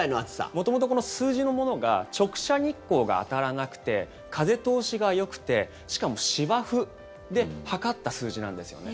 元々、この数字のものが直射日光が当たらなくて風通しがよくて、しかも芝生で測った数字なんですよね。